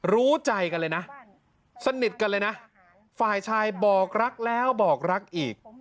รู้ใจกันเลยนะสนิทกันเลยนะฝ่ายชายบอกรักแล้วบอกรักอีก